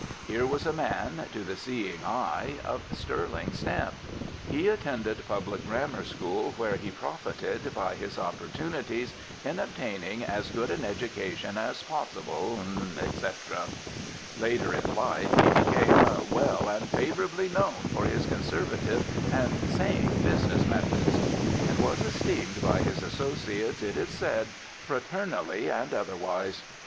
Here was a man, to the seeing eye, of sterling stamp: "He attended public grammar school where he profited by his opportunities in obtaining as good an education as possible, etc." Later in life, be became "well and favourably known for his conservative and sane business methods," and was esteemed by his associates, it is said, "fraternally and otherwise."